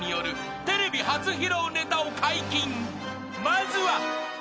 ［まずは］